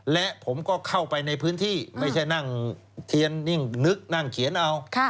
และผมก็เข้าไปในพื้นที่ไม่ใช่นั่งเทียนนิ่งนึกนั่งเขียนเอา